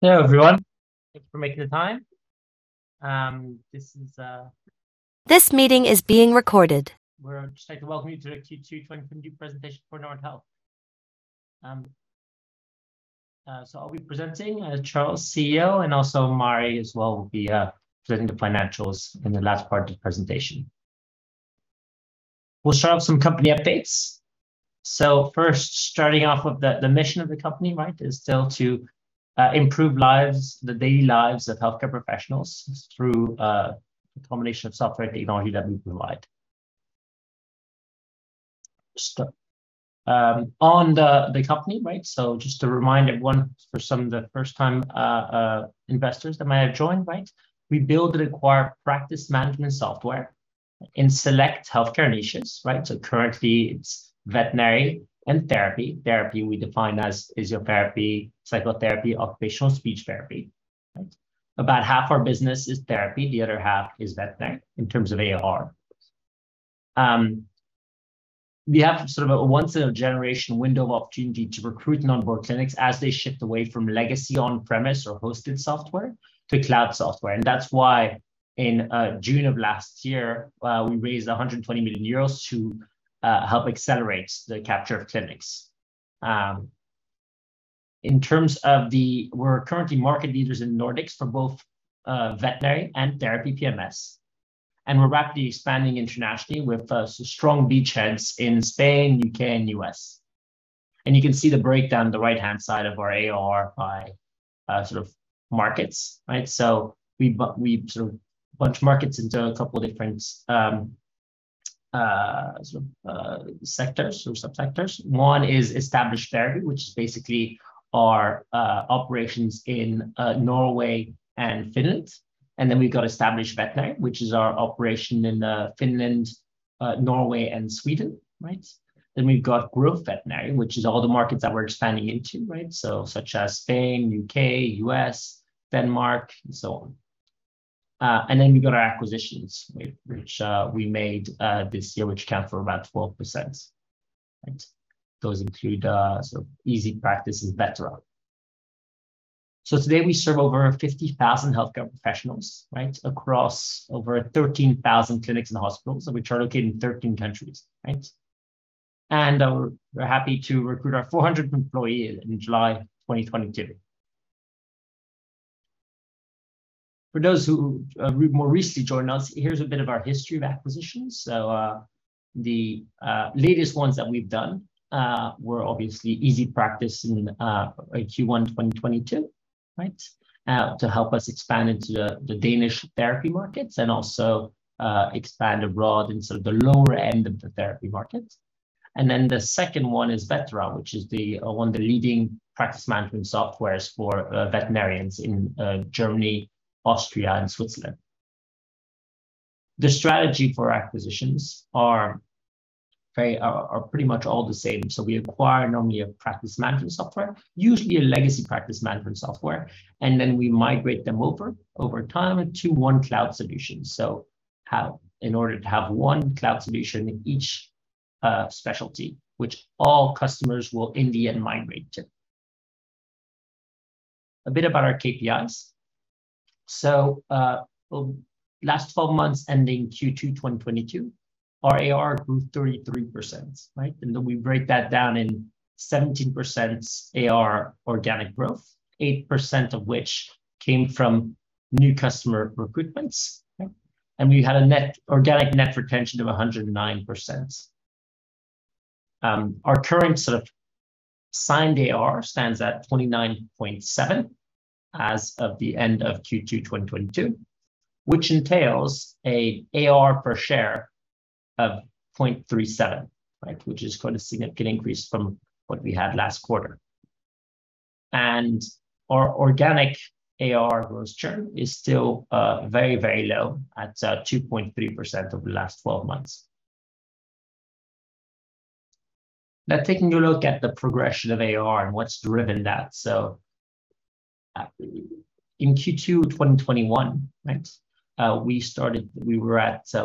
Hello, everyone. Thanks for making the time. This is This meeting is being recorded. Just like to welcome you to the Q2 2022 presentation for Nordhealth. I'll be presenting, Charles, CEO, and also Mari as well will be presenting the financials in the last part of the presentation. We'll start off some company updates. First, starting off with the mission of the company, right? Is still to improve lives, the daily lives of healthcare professionals through a combination of software technology that we provide. On the company, right? Just a reminder, one, for some of the first-time investors that might have joined, right? We build and acquire practice management software in select healthcare niches, right? Currently, it's veterinary and therapy. Therapy we define as physiotherapy, psychotherapy, occupational speech therapy, right? About half our business is therapy, the other half is veterinary in terms of ARR. We have sort of a once in a generation window of opportunity to recruit onboard clinics as they shift away from legacy on-premise or hosted software to cloud software. That's why in June of last year we raised 120 million euros to help accelerate the capture of clinics. In terms of the, we're currently market leaders in Nordics for both veterinary and therapy PMS, and we're rapidly expanding internationally with a strong beachheads in Spain, U.K., and U.S. You can see the breakdown on the right-hand side of our ARR by sort of markets, right? We sort of bunch markets into a couple of different sort of sectors or subsectors. One is established therapy, which is basically our operations in Norway and Finland. We've got established veterinary, which is our operation in Finland, Norway and Sweden, right? We've got growth veterinary, which is all the markets that we're expanding into, right? Such as Spain, U.K., U.S., Denmark, and so on. We've got our acquisitions, which we made this year, which account for about 12%. Right? Those include EasyPractice and Vetera. Today, we serve over 50,000 healthcare professionals, right, across over 13,000 clinics and hospitals, which are located in 13 countries, right? We're happy to recruit our 400th employee in July 2022. For those who more recently joined us, here's a bit of our history of acquisitions. The latest ones that we've done were obviously EasyPractice in Q1 2022, right? To help us expand into the Danish therapy markets and also expand abroad in sort of the lower end of the therapy market. Then the second one is Vetera, which is one of the leading practice management softwares for veterinarians in Germany, Austria, and Switzerland. The strategy for acquisitions are pretty much all the same. We acquire normally a practice management software, usually a legacy practice management software, and then we migrate them over time to one cloud solution. In order to have one cloud solution in each specialty, which all customers will in the end migrate to. A bit about our KPIs. Last 12 months, ending Q2 2022, our ARR grew 33%, right? We break that down in 17% ARR organic growth, 8% of which came from new customer recruitments. Okay? We had organic net retention of 109%. Our current sort of signed ARR stands at 29.7 million as of the end of Q2 2022, which entails an ARR per share of 0.37, right, which is quite a significant increase from what we had last quarter. Our organic ARR growth churn is still very, very low at 2.3% over the last 12 months. Now, taking a look at the progression of ARR and what's driven that. In Q2 2021, right,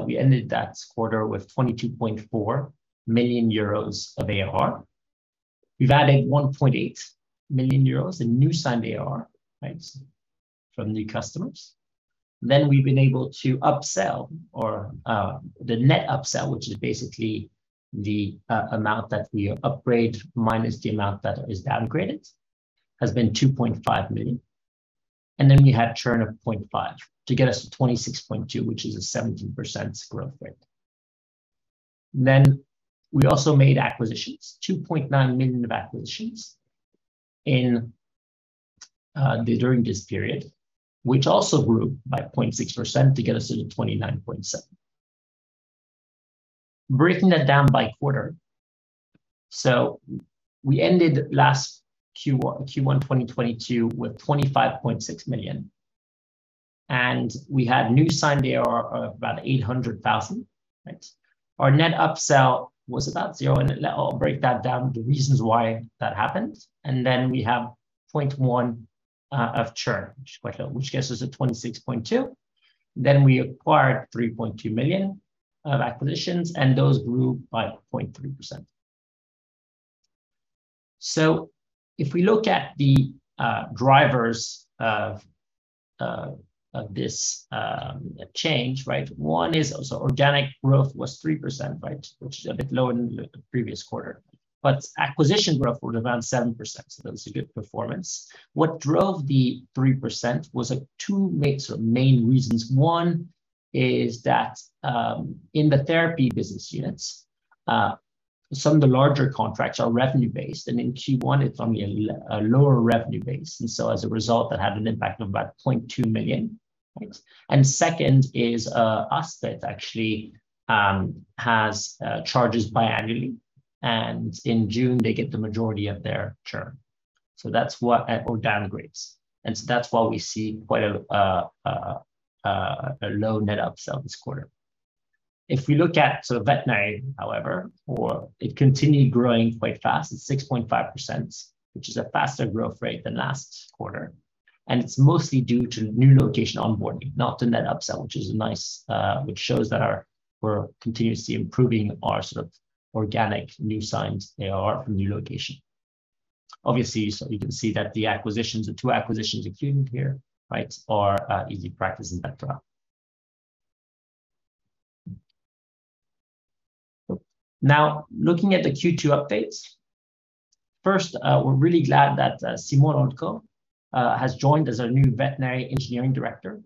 we ended that quarter with 22.4 million euros of ARR. We've added 1.8 million euros in new signed ARR, right, from new customers. We've been able to upsell or, the net upsell, which is basically the, amount that we upgrade, minus the amount that is downgraded, has been 2.5 million. We had churn of 0.5 million to get us to 26.2 million, which is a 17% growth rate. We also made acquisitions, 2.9 million of acquisitions in, during this period, which also grew by 0.6% to get us to the 29.7 million. Breaking that down by quarter. We ended last Q1 2022 with 25.6 million, and we had new signed ARR of about 800,000. Right? Our net upsell was about zero, and I'll break that down with the reasons why that happened. We have 0.1% churn, which is quite low, which gets us to 26.2 million. We acquired 3.2 million from acquisitions, and those grew by 0.3%. If we look at the drivers of this change, right? One is also organic growth was 3%, right? Which is a bit lower than the previous quarter. Acquisition growth was around 7%, so that was a good performance. What drove the 3% was, like, two sort of main reasons. One is that in the therapy business units, some of the larger contracts are revenue-based, and in Q1 it's only a lower revenue base. As a result, that had an impact of about 0.2 million. Second is that actually has charges biannually. In June, they get the majority of their term. That's what or downgrades. That's why we see quite a low net upsell this quarter. If we look at sort of veterinary, however, it continued growing quite fast. It's 6.5%, which is a faster growth rate than last quarter. It's mostly due to new location onboarding, not the net upsell, which is a nice which shows that we're continuously improving our sort of organic new signs. They are from new location. Obviously, you can see that the acquisitions, the two acquisitions included here, right? Are EasyPractice and Vetera. Now, looking at the Q2 updates. First, we're really glad that Simon Rodko has joined as our new Veterinary Engineering Director.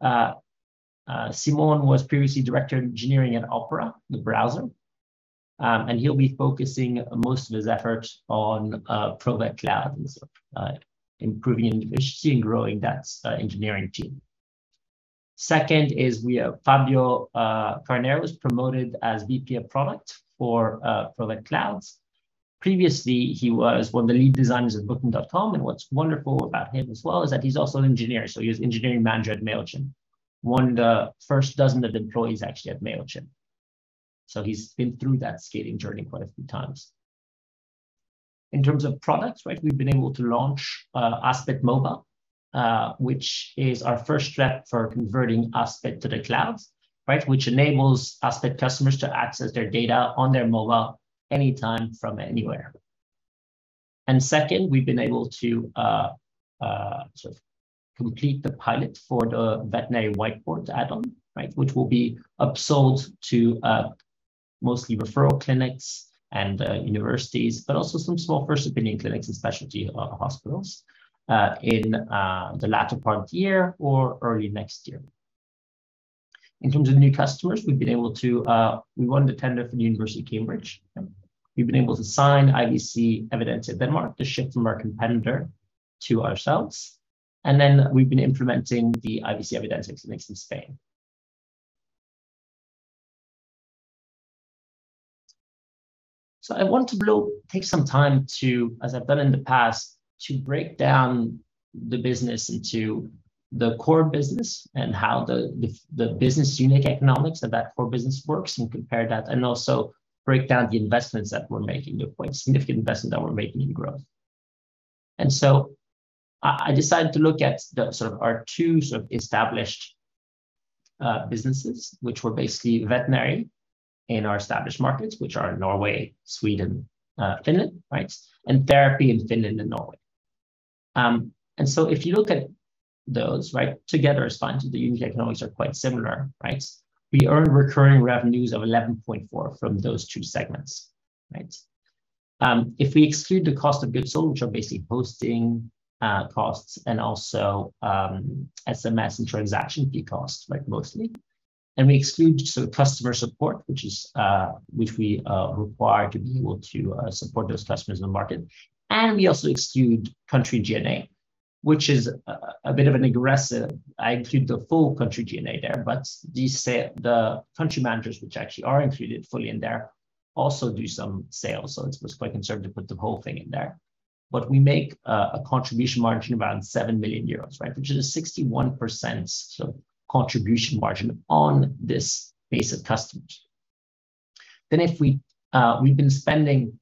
Simon was previously Director of Engineering at Opera, the browser. He'll be focusing most of his efforts on Provet Cloud and sort of improving efficiency and growing that engineering team. Second is we have Fabio Carneiro was promoted as VP of Product for Provet Cloud. Previously, he was one of the lead designers at Booking.com. What's wonderful about him as well is that he's also an engineer. He was engineering manager at Mailchimp. One of the first dozen of employees actually at Mailchimp. He's been through that scaling journey quite a few times. In terms of products, right? We've been able to launch Aspit Mobile, which is our first step for converting Aspit to the cloud, right? Which enables Aspit customers to access their data on their mobile anytime from anywhere. Second, we've been able to sort of complete the pilot for the veterinary whiteboard add-on, right? Which will be upsold to mostly referral clinics and universities, but also some small first opinion clinics and specialty hospitals in the latter part of the year or early next year. In terms of new customers, we've been able to win the tender for the University of Cambridge. We've been able to sign IVC Evidensia Denmark, the shift from our competitor to ourselves. We've been implementing the IVC Evidensia clinics in Spain. I want to take some time to, as I've done in the past, to break down the business into the core business and how the business unique economics of that core business works and compare that and also break down the investments that we're making, the quite significant investments that we're making in growth. I decided to look at the sort of our two sort of established businesses, which were basically veterinary in our established markets, which are Norway, Sweden, Finland, right? Therapy in Finland and Norway. If you look at those, right, together it's fine. The unique economics are quite similar, right? We earn recurring revenues of 11.4 from those two segments, right? If we exclude the cost of goods sold, which are basically hosting costs and also SMS and transaction fee costs, like mostly. We exclude sort of customer support, which we require to be able to support those customers in the market. We also exclude country G&A, which is a bit of an aggressive. I include the full country G&A there, but these country managers which actually are included fully in there also do some sales. It's quite conservative to put the whole thing in there. We make a contribution margin of around 7 million euros, right? Which is a 61% contribution margin on this base of customers. If we've been spending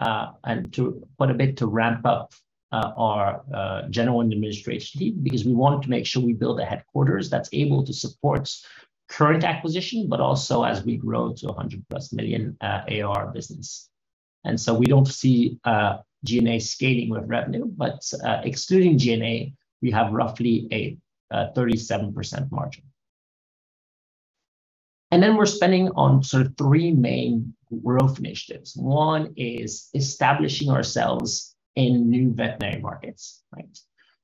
quite a bit to ramp up our general and administrative team because we wanted to make sure we build a headquarters that's able to support current acquisition, but also as we grow to a 100+ million ARR business. We don't see G&A scaling with revenue, but excluding G&A, we have roughly a 37% margin. We're spending on sort of three main growth initiatives. One is establishing ourselves in new veterinary markets, right?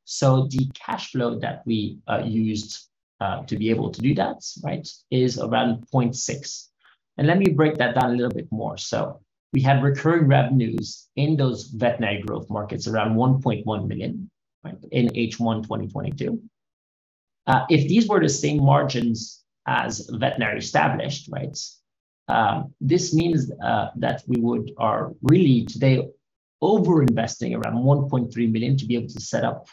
The cash flow that we used to be able to do that, right, is around 0.6 million. Let me break that down a little bit more. We had recurring revenues in those veterinary growth markets around 1.1 million, right, in H1 2022. If these were the same margins as veterinary established, right? This means that we're really today over-investing around 1.3 million to be able to set up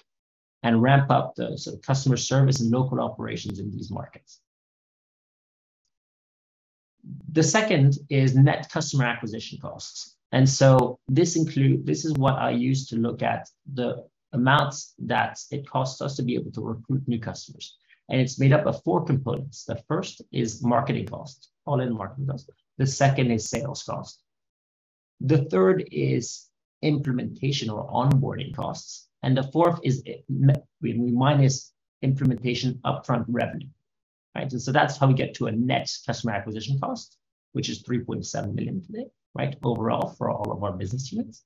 and ramp up the sort of customer service and local operations in these markets. The second is net customer acquisition costs. This is what I use to look at the amounts that it costs us to be able to recruit new customers. It's made up of four components. The first is marketing costs, all-in marketing costs. The second is sales cost. The third is implementation or onboarding costs. The fourth is minus implementation upfront revenue, right? That's how we get to a net customer acquisition cost, which is 3.7 million today, right? Overall for all of our business units.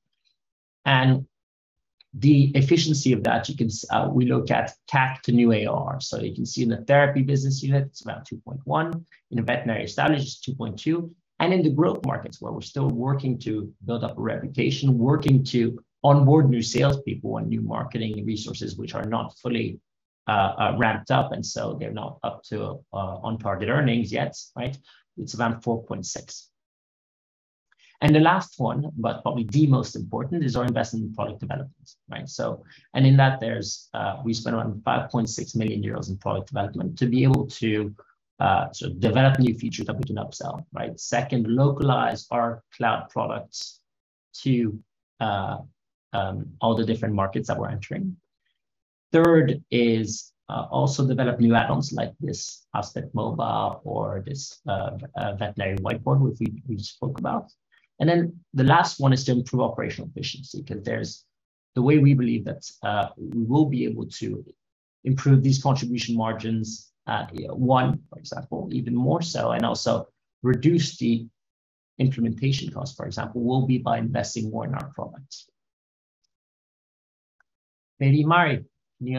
The efficiency of that, you can, we look at CAC to new ARR. You can see in the therapy business unit, it's about 2.1. In the veterinary established, it's 2.2. In the growth markets where we're still working to build up a reputation, working to onboard new salespeople and new marketing resources which are not fully ramped up, and so they're not up to on target earnings yet, right? It's around 4.6. The last one, but probably the most important, is our investment in product development, right? In that, there's we spend around 5.6 million euros in product development to be able to so develop new features that we can upsell, right? Second, localize our cloud products to all the different markets that we're entering. Third is also develop new add-ons like this Aspit Mobile or this veterinary whiteboard, which we spoke about. The last one is to improve operational efficiency, because that's the way we believe that we will be able to improve these contribution margins at one, for example, even more so, and also reduce the implementation cost, for example, will be by investing more in our products. Maybe Mari, can you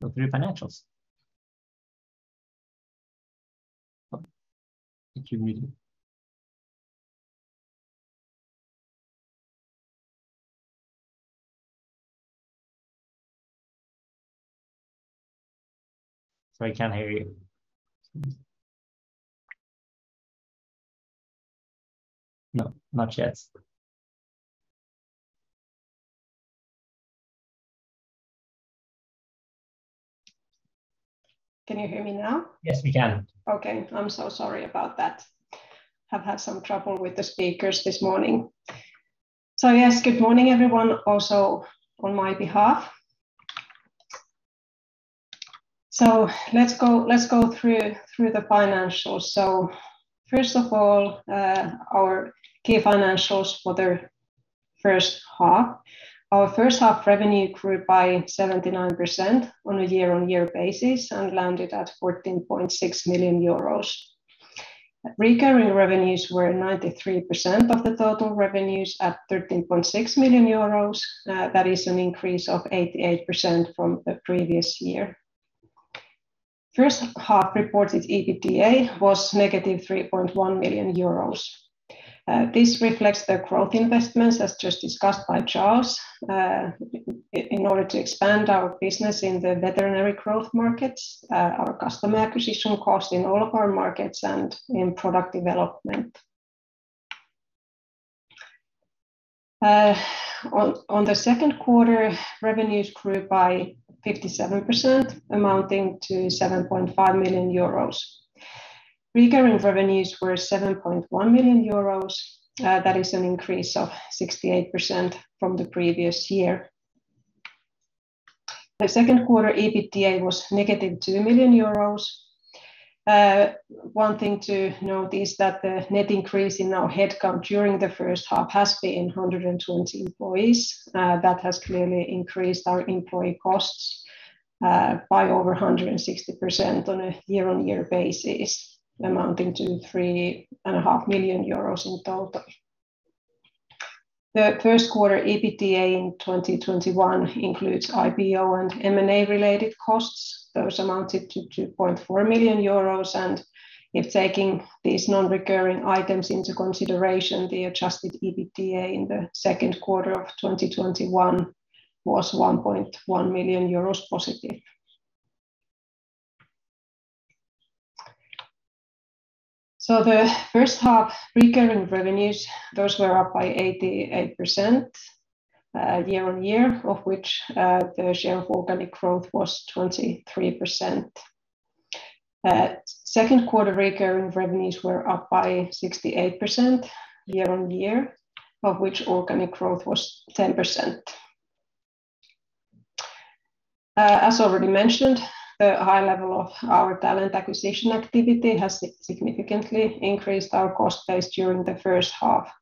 go through financials? Thank you, Mari. Sorry, can't hear you. No, not yet. Can you hear me now? Yes, we can. Okay. I'm so sorry about that. Have had some trouble with the speakers this morning. Yes, good morning, everyone, also on my behalf. Let's go through the financials. First of all, our key financials for the first half. Our first half revenue grew by 79% on a year-on-year basis and landed at 14.6 million euros. Recurring revenues were 93% of the total revenues at 13.6 million euros. That is an increase of 88% from the previous year. First half reported EBITDA was -3.1 million euros. This reflects the growth investments, as just discussed by Charles, in order to expand our business in the veterinary growth markets, our customer acquisition cost in all of our markets and in product development. In the second quarter, revenues grew by 57%, amounting to 7.5 million euros. Recurring revenues were 7.1 million euros, that is an increase of 68% from the previous year. The second quarter EBITDA was -2 million euros. One thing to note is that the net increase in our headcount during the first half has been 120 employees. That has clearly increased our employee costs by over 160% on a year-on-year basis, amounting to 3.5 million euros in total. The first quarter EBITDA in 2021 includes IPO and M&A related costs. Those amounted to 2.4 million euros, and if taking these non-recurring items into consideration, the adjusted EBITDA in the second quarter of 2021 was EUR 1.1 million positive. The first half recurring revenues, those were up by 88%, year-on-year, of which, the share of organic growth was 23%. Second quarter recurring revenues were up by 68% year-on-year, of which organic growth was 10%. As already mentioned, the high level of our talent acquisition activity has significantly increased our cost base during the first half.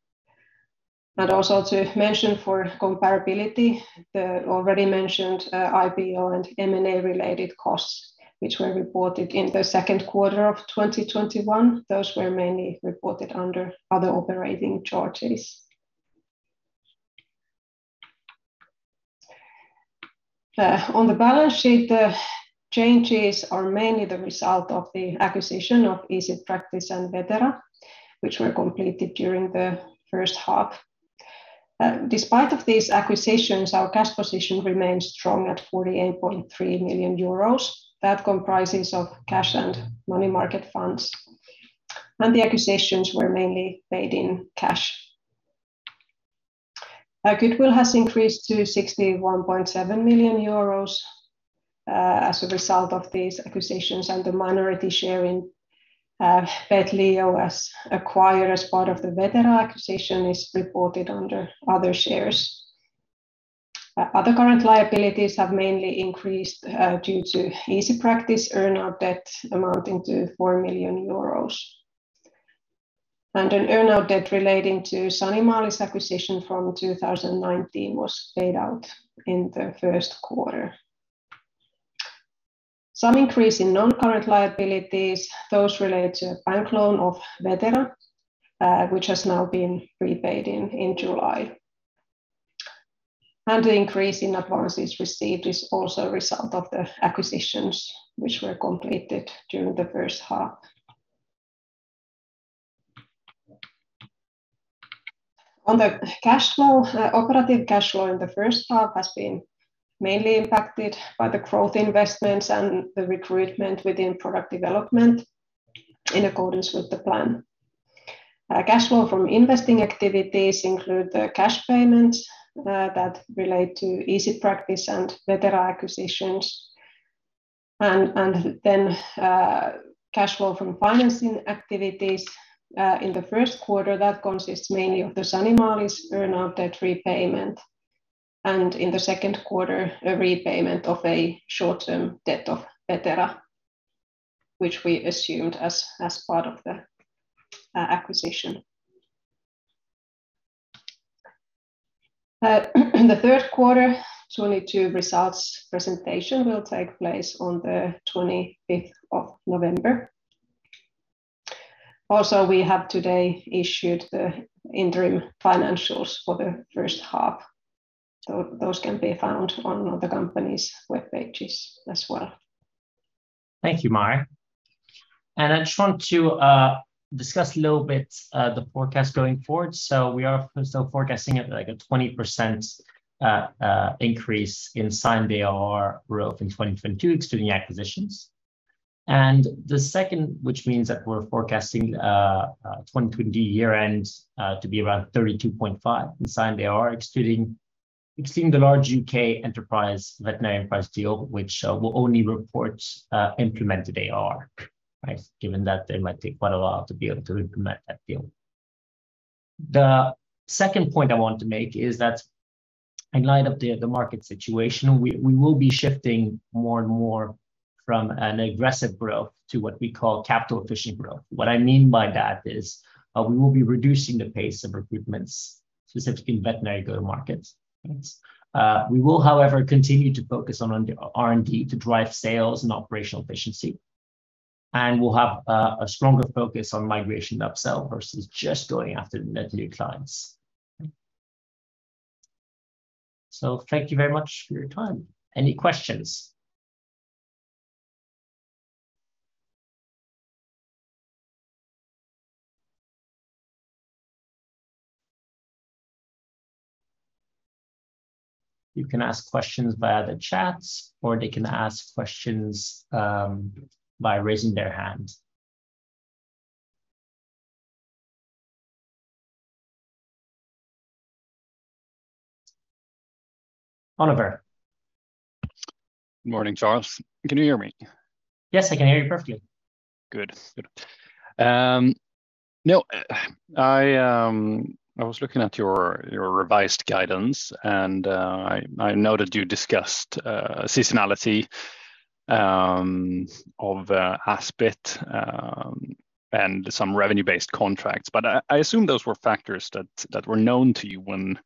Also to mention for comparability, the already mentioned, IPO and M&A related costs, which were reported in the second quarter of 2021, those were mainly reported under other operating charges. On the balance sheet, the changes are mainly the result of the acquisition of EasyPractice and Vetera, which were completed during the first half. Despite of these acquisitions, our cash position remains strong at 48.3 million euros. That comprises of cash and money market funds. The acquisitions were mainly paid in cash. Our goodwill has increased to 61.7 million euros as a result of these acquisitions and the minority share in PetLeo was acquired as part of the Vetera acquisition is reported under other shares. Other current liabilities have mainly increased due to EasyPractice earnout debt amounting to 4 million euros. An earnout debt relating to Sanimalis acquisition from 2019 was paid out in the first quarter. Some increase in non-current liabilities, those relate to a bank loan of Vetera, which has now been repaid in July. The increase in advances received is also a result of the acquisitions which were completed during the first half. On the cash flow, operating cash flow in the first half has been mainly impacted by the growth investments and the recruitment within product development in accordance with the plan. Cash flow from investing activities include the cash payments that relate to EasyPractice and Vetera acquisitions. Then, cash flow from financing activities in the first quarter consists mainly of the Sanimalis earnout debt repayment. In the second quarter, a repayment of a short-term debt of Vetera, which we assumed as part of the acquisition. The third quarter 2022 results presentation will take place on the twenty-fifth of November. We have today issued the interim financials for the first half. Those can be found on the company's web pages as well. Thank you, Mari. I just want to discuss a little bit the forecast going forward. We are still forecasting at, like, a 20% increase in signed ARR growth in 2022, excluding acquisitions. The second, which means that we're forecasting 2022 year end to be around 32.5 million signed ARR excluding the large U.K. enterprise veterinary enterprise deal, which we'll only report implemented ARR. Right? Given that it might take quite a while to be able to implement that deal. The second point I wanted to make is that in light of the market situation, we will be shifting more and more from an aggressive growth to what we call capital efficient growth. What I mean by that is, we will be reducing the pace of recruitments, specifically in veterinary go-to-markets. We will, however, continue to focus on R&D to drive sales and operational efficiency. We'll have a stronger focus on migration upsell versus just going after net new clients. Thank you very much for your time. Any questions? You can ask questions via the chats, or they can ask questions by raising their hand. Oliver. Morning, Charles. Can you hear me? Yes, I can hear you perfectly. Good. Now I was looking at your revised guidance, and I noted you discussed seasonality of Aspit and some revenue-based contracts. I assume those were factors that were known to you when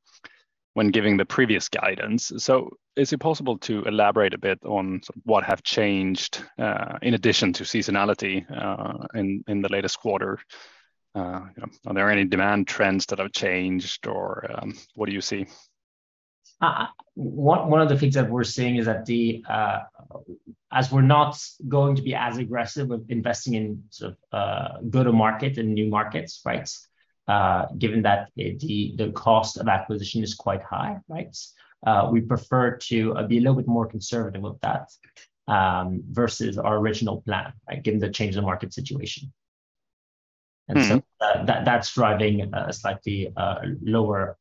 giving the previous guidance. Is it possible to elaborate a bit on what have changed in addition to seasonality in the latest quarter? Are there any demand trends that have changed or what do you see? One of the things that we're seeing is that as we're not going to be as aggressive with investing in sort of go-to-market and new markets, right? We prefer to be a little bit more conservative with that versus our original plan, given the change in market situation. Mm-hmm. That's driving a slightly lower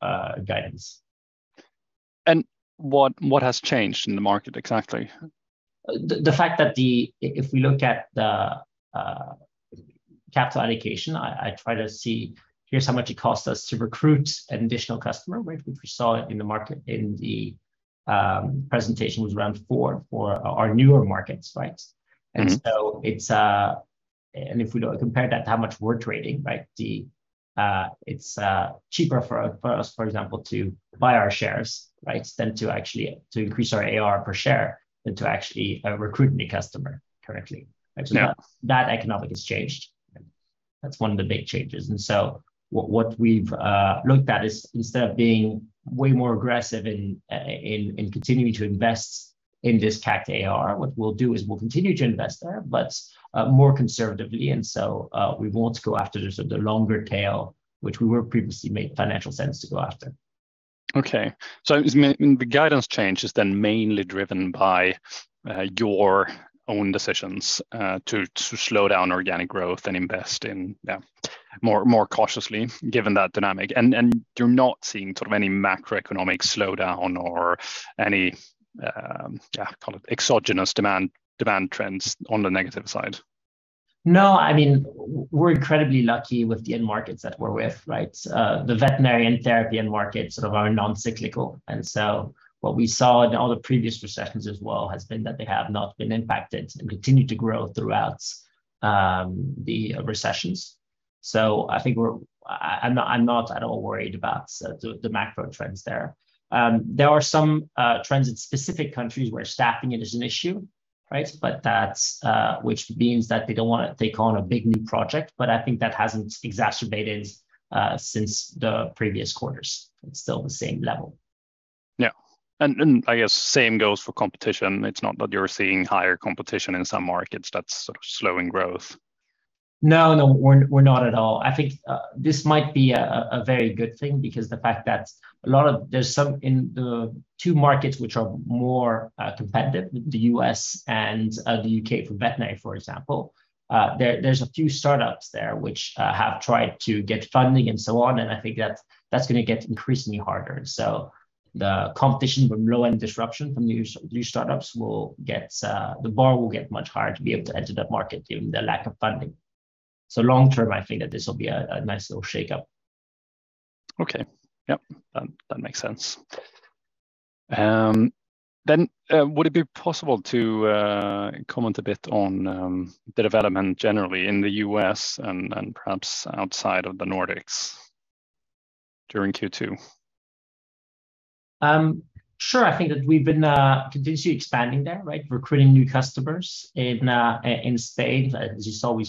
guidance. What has changed in the market exactly? If we look at the capital allocation, I try to see here's how much it costs us to recruit an additional customer, which we saw in the market in the presentation was around four for our newer markets, right? Mm-hmm. If we compare that to how much we're trading, right? It's cheaper for us, for example, to buy our shares, right, than to actually increase our ARR per share than to actually recruit a new customer correctly. Yeah. That economy has changed. That's one of the big changes. What we've looked at is instead of being way more aggressive in continuing to invest in this CAC ARR, what we'll do is we'll continue to invest there, but more conservatively. We want to go after sort of the longer tail, which previously made financial sense to go after. The guidance change is then mainly driven by your own decisions to slow down organic growth and invest more cautiously given that dynamic. You're not seeing sort of any macroeconomic slowdown or any call it exogenous demand trends on the negative side? No. I mean, we're incredibly lucky with the end markets that we're with, right? The veterinary and therapy end markets sort of are non-cyclical. What we saw in all the previous recessions as well has been that they have not been impacted and continued to grow throughout the recessions. I think I'm not at all worried about the macro trends there. There are some trends in specific countries where staffing is an issue, right? But that's, which means that they don't wanna take on a big new project, but I think that hasn't exacerbated since the previous quarters. It's still the same level. Yeah. I guess same goes for competition. It's not that you're seeing higher competition in some markets that's sort of slowing growth. No, we're not at all. I think this might be a very good thing because there's some in the two markets which are more competitive, the U.S. and the U.K. for veterinary, for example. There's a few startups there which have tried to get funding and so on, and I think that that's gonna get increasingly harder. The competition from low-end disruption from new startups will get, the bar will get much higher to be able to enter that market given the lack of funding. Long term, I think that this will be a nice little shakeup. Okay. Yep. That makes sense. Would it be possible to comment a bit on the development generally in the U.S. and perhaps outside of the Nordics during Q2? Sure. I think that we've been continuously expanding there, right? Recruiting new customers in Spain. As you saw, we're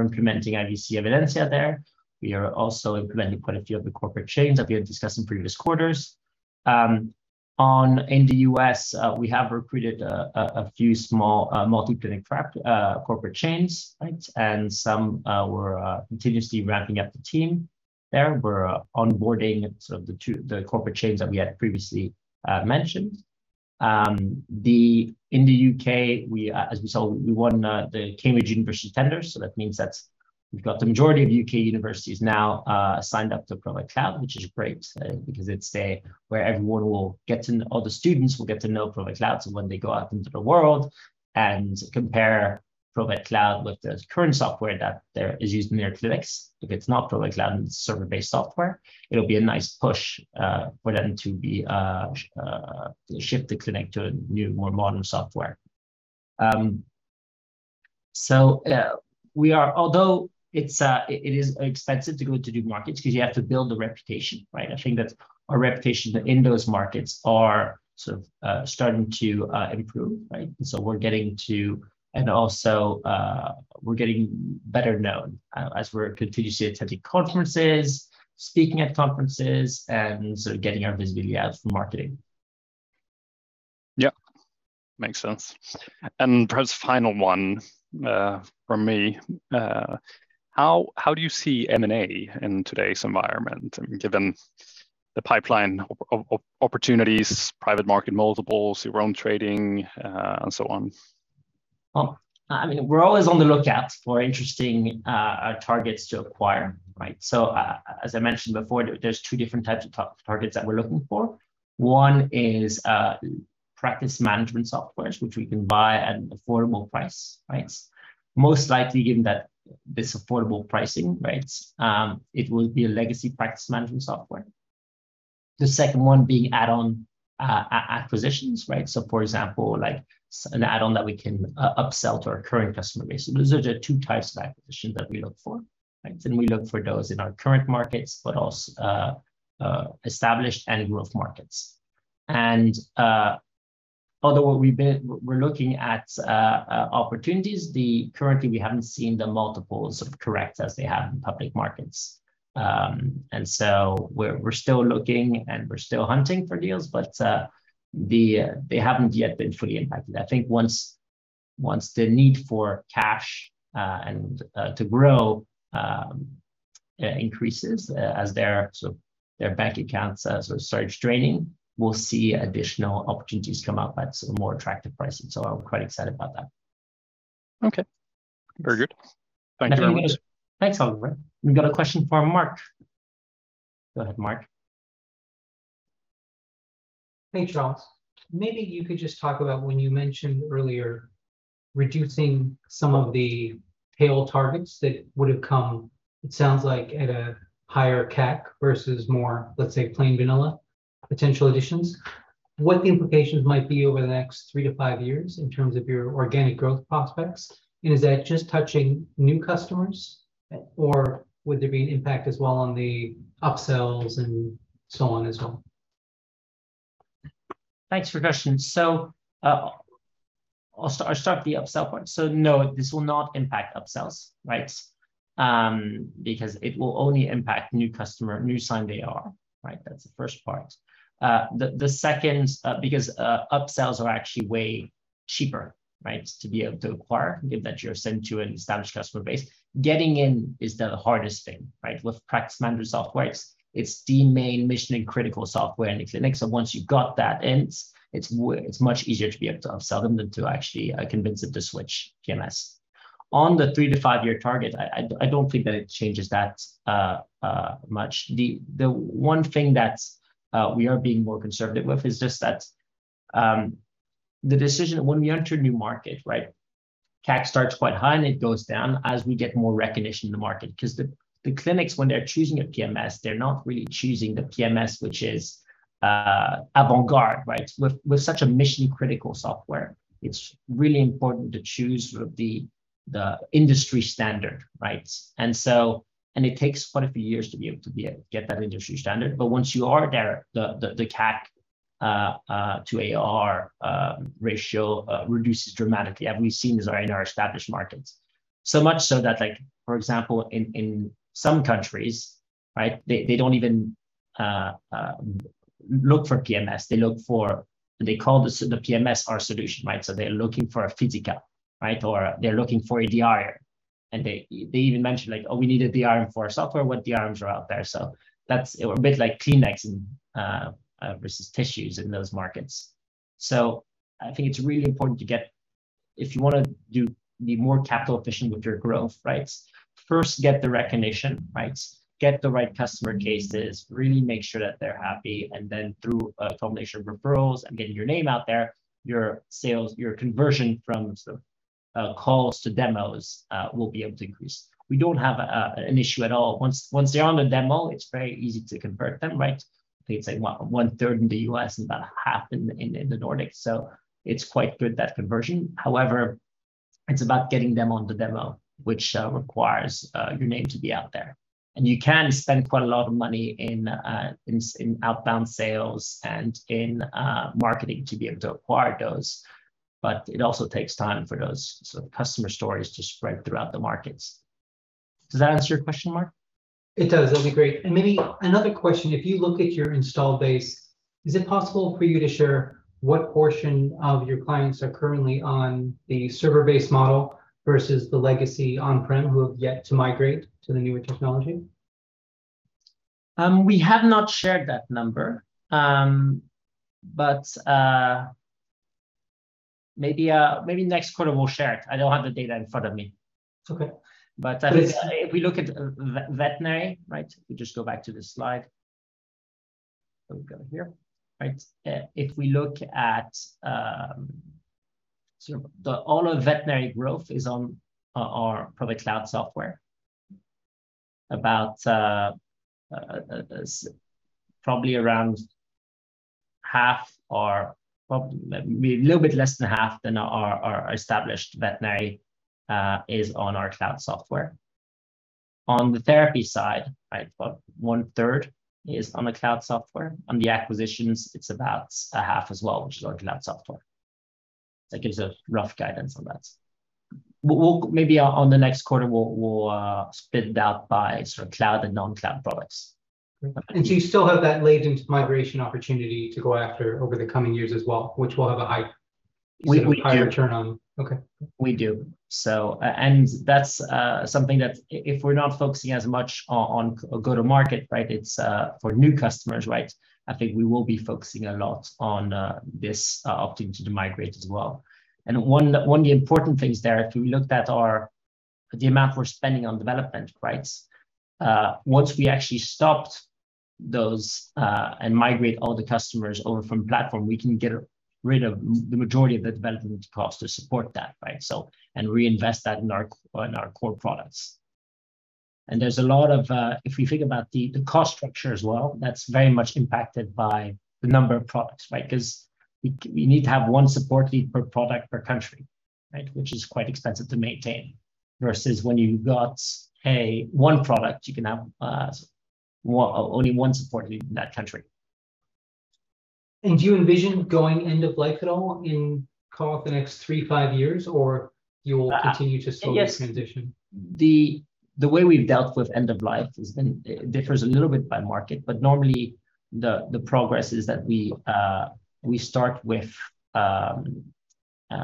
implementing IVC Evidensia there. We are also implementing quite a few of the corporate chains that we had discussed in previous quarters. In the U.S., we have recruited a few small multi-clinic corporate chains, right? Some, we're continuously ramping up the team there. We're onboarding the corporate chains that we had previously mentioned. In the U.K., as we saw, we won the University of Cambridge tender, so that means that we've got the majority of U.K. universities now signed up to Provet Cloud, which is great, because it's where all the students will get to know Provet Cloud. When they go out into the world and compare Provet Cloud with the current software that is used in their clinics, if it's not Provet Cloud and it's server-based software, it'll be a nice push for them to shift the clinic to a new, more modern software. Although it is expensive to go into new markets because you have to build a reputation, right? I think that our reputation in those markets are sort of starting to improve, right? We're getting better known as we're continuously attending conferences, speaking at conferences, and sort of getting our visibility out from marketing. Yeah. Makes sense. Perhaps final one from me. How do you see M&A in today's environment, given the pipeline of opportunities, private market multiples, your own trading, and so on? Well, I mean, we're always on the lookout for interesting targets to acquire, right? As I mentioned before, there's two different types of targets that we're looking for. One is practice management softwares which we can buy at an affordable price, right? Most likely, given that this affordable pricing, right, it will be a legacy practice management software. The second one being add-on acquisitions, right? For example, like an add-on that we can upsell to our current customer base. Those are the two types of acquisition that we look for, right? We look for those in our current markets, but also established and growth markets. Although we're looking at opportunities, currently, we haven't seen the multiples correct as they have in public markets. We're still looking and we're still hunting for deals, but they haven't yet been fully impacted. I think once the need for cash and to grow increases, as their sort of bank accounts sort of start draining, we'll see additional opportunities come up at more attractive pricing. I'm quite excited about that. Okay. Very good. Thank you very much. Thanks, Oliver. We've got a question from Mark. Go ahead, Mark. Hey, Charles. Maybe you could just talk about when you mentioned earlier reducing some of the tail targets that would have come, it sounds like at a higher CAC versus more, let's say, plain vanilla potential additions. What the implications might be over the next three to five years in terms of your organic growth prospects? Is that just touching new customers or would there be an impact as well on the upsells and so on as well? Thanks for the question. I'll start with the upsell point. No, this will not impact upsells, right? Because it will only impact new customer new signed ARR, right? That's the first part. The second, because upsells are actually way cheaper, right? To be able to acquire, given that you're selling to an established customer base. Getting in is the hardest thing, right? With practice management software, it's the main mission and critical software in the clinic. Once you've got that in, it's much easier to be able to upsell them than to actually convince them to switch PMS. On the three-five-year target, I don't think that it changes that much. The one thing that we are being more conservative with is just that, the decision when we enter a new market, right, CAC starts quite high, and it goes down as we get more recognition in the market. 'Cause the clinics, when they're choosing a PMS, they're not really choosing the PMS, which is avant-garde, right? With such a mission critical software, it's really important to choose sort of the industry standard, right? It takes quite a few years to get that industry standard. Once you are there, the CAC to ARR ratio reduces dramatically, and we've seen this in our established markets. So much so that like, for example, in some countries, right, they don't even look for PMS, they look for. They call the PMS our solution, right? They're looking for a Physica, right? They're looking for EDR. They even mention like, "Oh, we need EDR for our software. What EDRs are out there?" That's a bit like Kleenex and versus tissues in those markets. I think it's really important to get if you wanna be more capital efficient with your growth, right? First, get the recognition, right? Get the right customer cases, really make sure that they're happy. Then through a combination of referrals and getting your name out there, your sales, your conversion from sort of calls to demos will be able to increase. We don't have an issue at all. Once they're on the demo, it's very easy to convert them, right? I think it's like 1/3 in the U.S. and about 1/2 in the Nordics. It's quite good, that conversion. However, it's about getting them on the demo, which requires your name to be out there. You can spend quite a lot of money in outbound sales and in marketing to be able to acquire those. It also takes time for those sort of customer stories to spread throughout the markets. Does that answer your question, Mark? It does. That'd be great. Maybe another question, if you look at your installed base, is it possible for you to share what portion of your clients are currently on the server-based model versus the legacy on-prem who have yet to migrate to the newer technology? We have not shared that number. Maybe next quarter we'll share it. I don't have the data in front of me. It's okay. If we look at veterinary, right? We just go back to this slide. We go here, right? If we look at sort of the all of veterinary growth is on our Provet Cloud software. About probably around half or probably maybe a little bit less than half than our established veterinary is on our cloud software. On the therapy side, right? About one third is on the cloud software. On the acquisitions, it's about a half as well, which is our cloud software. That gives a rough guidance on that. We'll maybe on the next quarter, we'll split it out by sort of cloud and non-cloud products. You still have that latent migration opportunity to go after over the coming years as well, which will have a high- We do. sort of higher return on. Okay. We do. That's something that if we're not focusing as much on go-to-market, right? It's for new customers, right? I think we will be focusing a lot on this option to migrate as well. One of the important things there, if we looked at the amount we're spending on development, right? Once we actually stopped those and migrate all the customers over from platform, we can get rid of the majority of the development cost to support that, right? Reinvest that in our core products. There's a lot of if we think about the cost structure as well, that's very much impacted by the number of products, right? Because we need to have one support lead per product per country, right? Which is quite expensive to maintain, versus when you got a one product, you can have only one support lead in that country. Do you envision going end of life at all in call it the next three-five years, or you will continue to slowly transition? Yes. The way we've dealt with end of life has been. It differs a little bit by market, but normally the progress is that we start with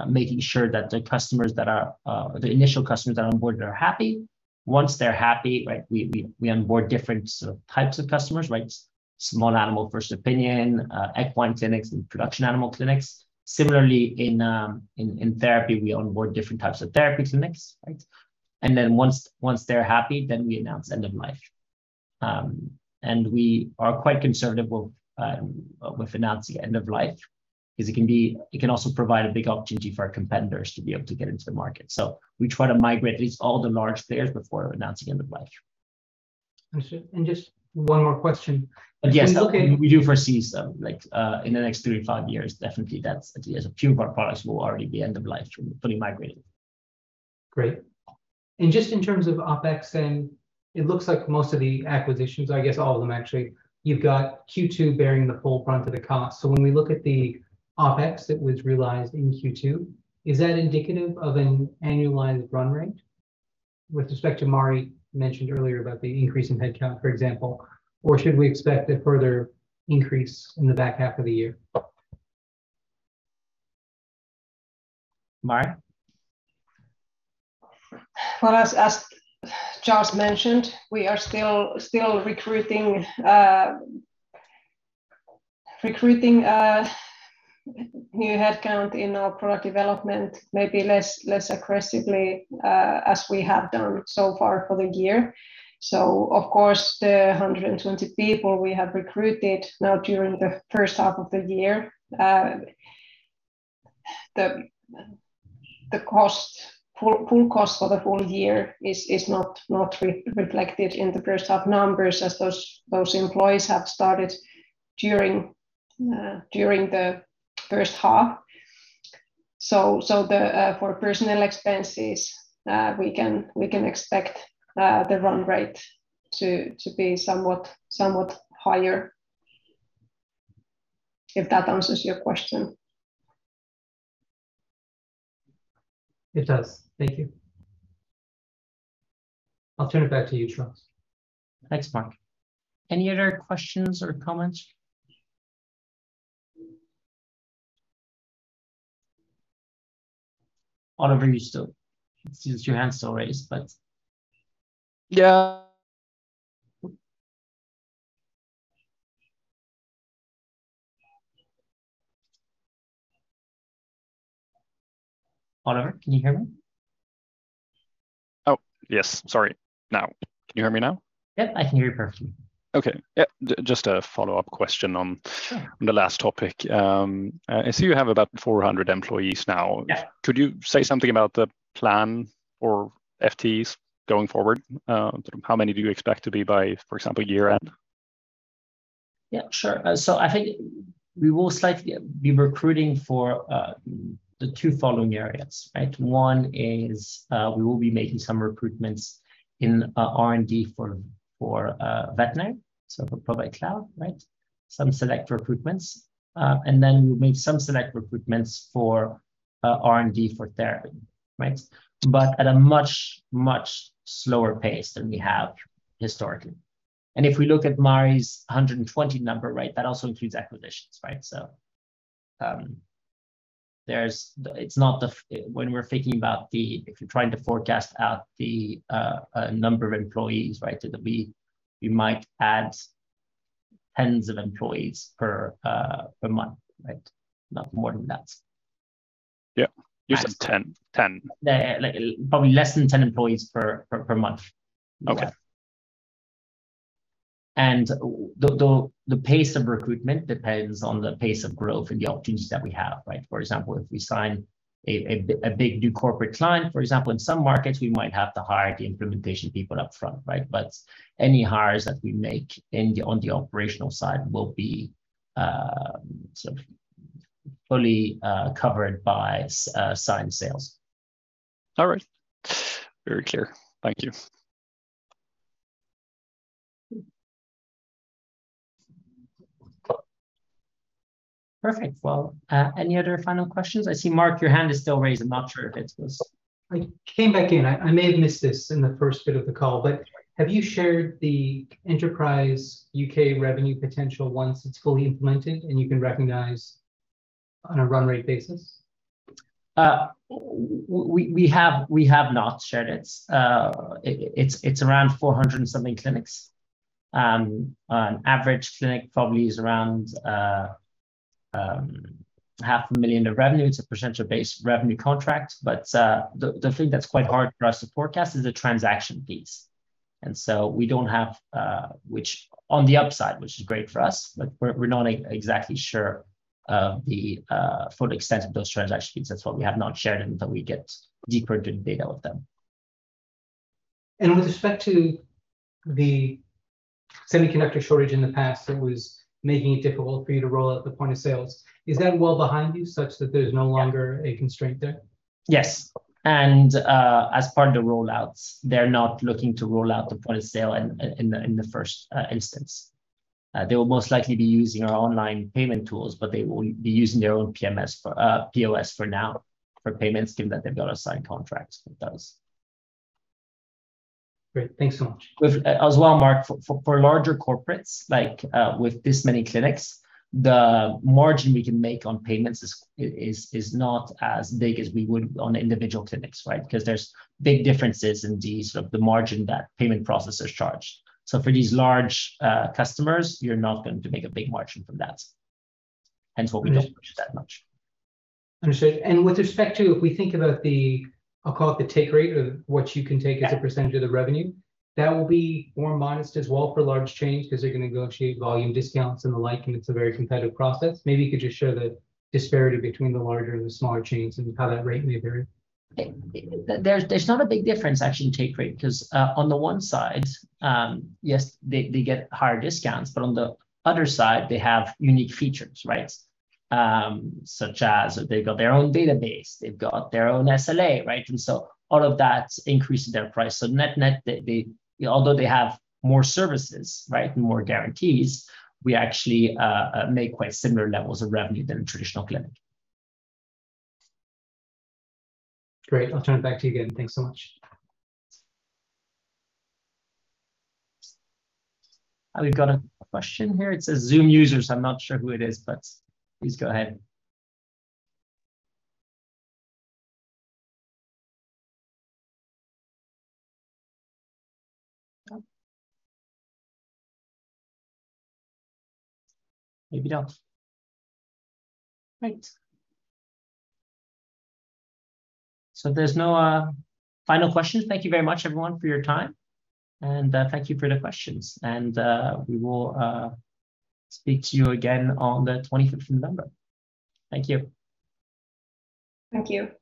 making sure that the initial customers that are on board are happy. Once they're happy, right? We onboard different sort of types of customers, right? Small animal, first opinion, equine clinics, and production animal clinics. Similarly, in therapy, we onboard different types of therapy clinics, right? Then once they're happy, then we announce end of life. We are quite conservative with announcing end of life because it can also provide a big opportunity for our competitors to be able to get into the market. We try to migrate at least all the large players before announcing end of life. Understood. Just one more question. If you look at. Yes, we do foresee some like, in the next three-five years, definitely. That's, I think, there's a few of our products will already be end of life, fully migrated. Great. Just in terms of OpEx, and it looks like most of the acquisitions, I guess all of them actually, you've got Q2 bearing the full brunt of the cost. When we look at the OpEx that was realized in Q2, is that indicative of an annualized run rate? With respect to Mari mentioned earlier about the increase in headcount, for example, or should we expect a further increase in the back half of the year? Mari? Well, as Charles mentioned, we are still recruiting new headcount in our product development, maybe less aggressively, as we have done so far for the year. Of course, the 120 people we have recruited now during the first half of the year, the full cost for the full year is not reflected in the first half numbers as those employees have started during the first half. For personnel expenses, we can expect the run rate to be somewhat higher. If that answers your question. It does. Thank you. I'll turn it back to you, Charles. Thanks, Mark. Any other questions or comments? Oliver, I see that your hand's still raised, but. Yeah. Oliver, can you hear me? Oh, yes. Sorry. Now, can you hear me now? Yep, I can hear you perfectly. Okay. Yep. Just a follow-up question on. Sure. On the last topic. I see you have about 400 employees now. Yeah. Could you say something about the plan for FTEs going forward? How many do you expect to be by, for example, year-end? Yeah, sure. I think we will slightly be recruiting for the two following areas, right? One is, we will be making some recruitments in R&D for Vetera, so for Provet Cloud, right? Some select recruitments. We'll make some select recruitments for R&D for therapy, right? At a much, much slower pace than we have historically. If we look at Mari's 120 number, right, that also includes acquisitions, right? If you're trying to forecast out the number of employees that we might add tens of employees per month, right? Not more than that. Yeah. You said 10. Like, probably less than 10 employees per month. Okay. The pace of recruitment depends on the pace of growth and the opportunities that we have, right? For example, if we sign a big new corporate client, for example, in some markets, we might have to hire the implementation people up front, right? But any hires that we make on the operational side will be sort of fully covered by signed sales. All right. Very clear. Thank you. Perfect. Well, any other final questions? I see, Mark, your hand is still raised. I'm not sure if it's 'cause. I came back in. I may have missed this in the first bit of the call. Have you shared the Enterprise U.K. revenue potential once it's fully implemented and you can recognize on a run rate basis? We have not shared it. It's around 400-something clinics. An average clinic probably is around 0.5 million of revenue. It's a percentage-based revenue contract. The thing that's quite hard for us to forecast is the transaction piece. We don't have which on the upside, which is great for us, but we're not exactly sure of the full extent of those transaction fees. That's why we have not shared them until we get deeper into the data with them. With respect to the semiconductor shortage in the past that was making it difficult for you to roll out the point of sales, is that well behind you such that there's no longer a constraint there? Yes. As part of the rollouts, they're not looking to roll out the point of sale in the first instance. They will most likely be using our online payment tools, but they will be using their own PMS for POS for now for payments, given that they've got signed contracts with those. Great. Thanks so much. As well, Mark, for larger corporates, like, with this many clinics, the margin we can make on payments is not as big as we would on individual clinics, right? Because there's big differences in the sort of the margin that payment processors charge. For these large customers, you're not going to make a big margin from that. Hence why we don't push it that much. Understood. With respect to if we think about the, I'll call it the take rate of what you can take as a percentage of the revenue, that will be more modest as well for large chains because they're gonna negotiate volume discounts and the like, and it's a very competitive process. Maybe you could just share the disparity between the larger and the smaller chains and how that rate may vary. There's not a big difference actually in take rate because on the one side, yes, they get higher discounts, but on the other side, they have unique features, right? Such as they've got their own database, they've got their own SLA, right? All of that increases their price. Net-net, although they have more services, right, more guarantees, we actually make quite similar levels of revenue to a traditional clinic. Great. I'll turn it back to you again. Thanks so much. We've got a question here. It says Zoom users. I'm not sure who it is, but please go ahead. Maybe not. Right. So if there's no final questions, thank you very much everyone for your time, and thank you for the questions. We will speak to you again on the November 25th. Thank you. Thank you.